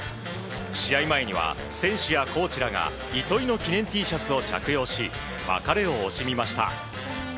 試合前には選手やコーチらが糸井の記念Ｔシャツを着用し別れを惜しみました。